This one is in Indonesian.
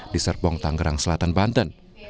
di serpong tanggerang selatan banten